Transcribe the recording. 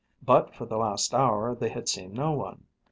But for the last hour they had seen no one.